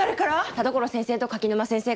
田所先生と柿沼先生から。